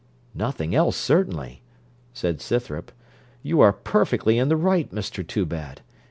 'Nothing else, certainly,' said Scythrop: 'you are perfectly in the right, Mr Toobad.